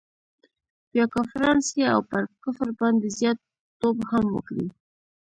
بیا کافران سي او پر کفر باندي زیات توب هم وکړي.